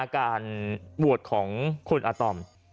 การโหวตของคุณอาตอม